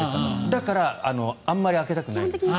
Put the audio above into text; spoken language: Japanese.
だから、あまり開けたくない。